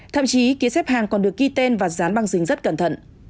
thậm chí ký xếp hàng còn được ghi tên và dán băng dính rất cẩn thận